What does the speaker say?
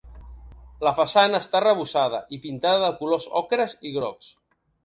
La façana està arrebossada i pintada de colors ocres i grocs.